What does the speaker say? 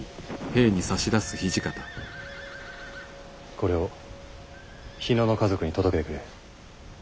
これを日野の家族に届けてくれ。